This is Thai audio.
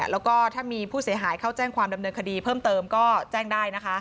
แล้วก็ถ้ามีผู้เสียหายเข้าแจ้งความดำเนินคดีเพิ่มเติมก็แจ้งได้นะคะ